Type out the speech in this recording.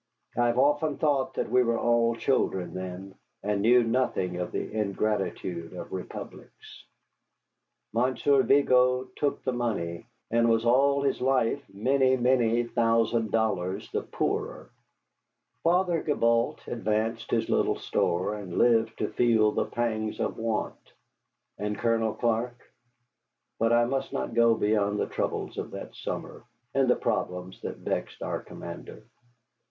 I have often thought that we were all children then, and knew nothing of the ingratitude of republics. Monsieur Vigo took the money, and was all his life many, many thousand dollars the poorer. Father Gibault advanced his little store, and lived to feel the pangs of want. And Colonel Clark? But I must not go beyond the troubles of that summer, and the problems that vexed our commander.